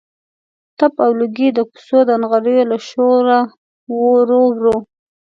تپ او لوګی د کوڅو د نغریو له شوره ورو ورو.